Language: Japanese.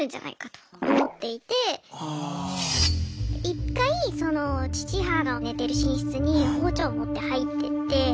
一回その父母が寝てる寝室に包丁持って入ってって。